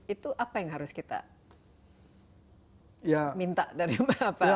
itu apa yang harus kita minta dari bapak